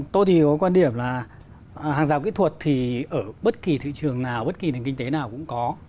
tôi thì có quan điểm là hàng rào kỹ thuật thì ở bất kỳ thị trường nào bất kỳ nền kinh tế nào cũng có